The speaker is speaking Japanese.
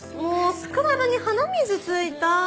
スクラブに鼻水付いた！